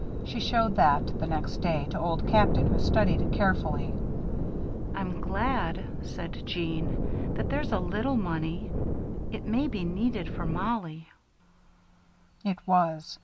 She showed that, the next day, to Old Captain, who studied it carefully. "I'm glad," said Jeanne, "that there's a little money. It may be needed for Mollie." It was.